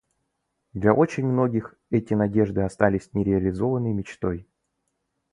Для очень многих эти надежды остались нереализованной мечтой.